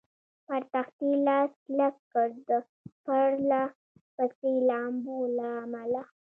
پر تختې لاس کلک کړ، د پرله پسې لامبو له امله.